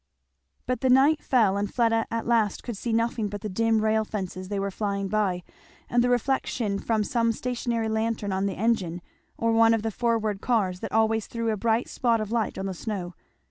But the night fell, and Fleda at last could see nothing but the dim rail fences they were flying by, and the reflection from some stationary lantern on the engine or one of the forward cars, that always threw a bright spot of light on the snow.